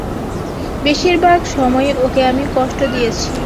বেশির ভাগ সময়ই ওকে আমি কষ্ট দিয়েছি।